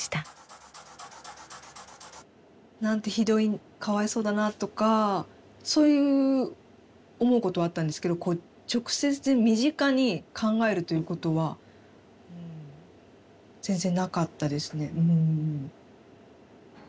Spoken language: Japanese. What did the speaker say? なんてひどいかわいそうだなとかそういう思うことはあったんですけどこう直接身近に考えるということはうん全然なかったですね。